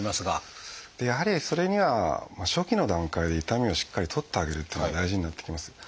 やはりそれには初期の段階で痛みをしっかり取ってあげるっていうのが大事になってきます。